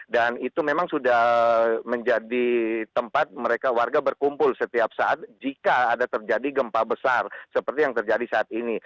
dan itu memang sudah menjadi tempat mereka warga berkumpul setiap saat jika ada terjadi gempa besar seperti yang terjadi saat ini